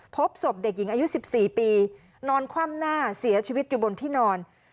พบศพเด็กหญิงอายุ๑๔ปีนอนคว่ำหน้าเสียชีวิตอยู่บนที่นอน